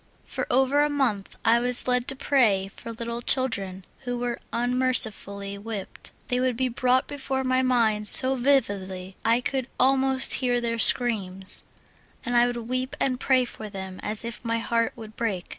For over a month I was led to prayer for little children who were unmercifully whipped ; they would be brought before my mind so vividly I could almost hear their screams, and I would weep and pray for them as if my heart would break.